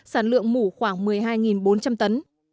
sản lượng mủ khoảng một mươi hai bốn trăm linh tấn